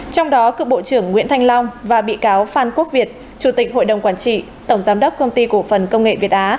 trong đó cựu bộ trưởng nguyễn thanh long và bị cáo phan quốc việt chủ tịch hội đồng quản trị tổng giám đốc công ty cổ phần công nghệ việt á